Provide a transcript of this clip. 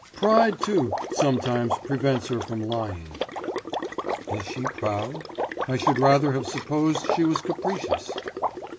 Pride too, sometimes prevents her from lying.' 'Is she proud? I should rather have supposed she was capricious.